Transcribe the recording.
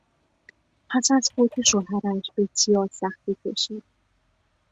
پس از فوت شوهرش بسیار سختی کشید.